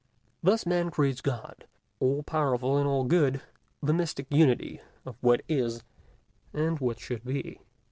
Thus Man creates God, all powerful and all good, the mystic unity of what is and what should be.